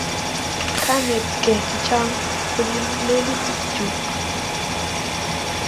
Kanetkey chechang' kopun lelutik chuk